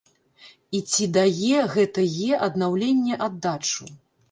І ці да е гэта е аднаўленне аддачу?